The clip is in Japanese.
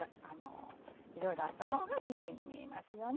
いろいろあった方がキレイに見えますよね。